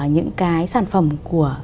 những cái sản phẩm của